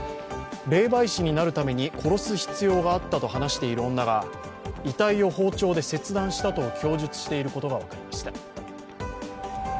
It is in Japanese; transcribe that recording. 霊媒師になるために殺す必要があったと話している女が遺体を包丁で切断したと供述していることが分かりました。